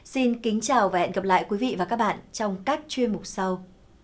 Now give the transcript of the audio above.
xin kính chào và hẹn gặp lại các bạn trong các chuyên mục sau